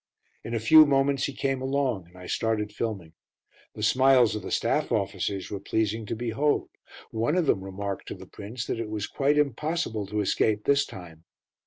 In a few moments he came along, and I started filming. The smiles of the staff officers were pleasing to behold. One of them remarked to the Prince that it was quite impossible to escape this time.